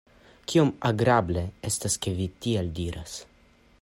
Kiom agrable estas ke vi tiel diras.